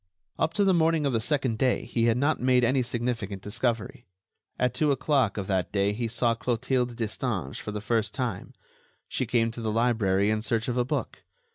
Up to the morning of the second day he had not made any significant discovery. At two o'clock of that day he saw Clotilde Destange for the first time; she came to the library in search of a book.